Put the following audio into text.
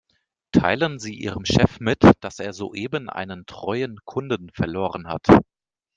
Teilen Sie Ihrem Chef mit, dass er soeben einen treuen Kunden verloren hat.